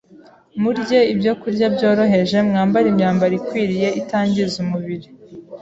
murye ibyokurya byoroheje, mwambare imyambaro ikwiriye itangiza umubiri,